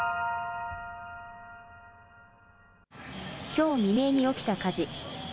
きょう未明に起きた火事。